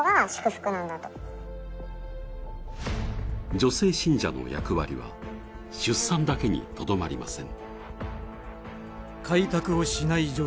女性信者の役割は出産だけにとどまりません。